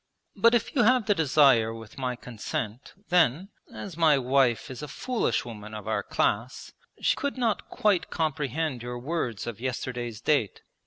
'But if you have the desire with my consent, then, as my wife is a foolish woman of our class, she could not quite comprehend your words of yesterday's date.